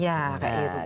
kayak gitu kan